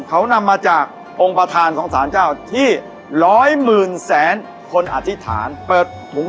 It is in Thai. เขานำมาจากองค์ประธานของสารเจ้าที่ร้อยหมื่นแสนคนอธิษฐานเปิดถุง